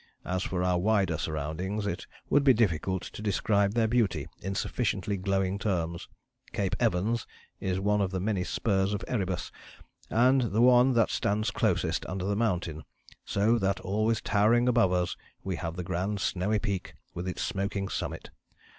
As for our wider surroundings it would be difficult to describe their beauty in sufficiently glowing terms. Cape Evans is one of the many spurs of Erebus and the one that stands closest under the mountain, so that always towering above us we have the grand snowy peak with its smoking summit.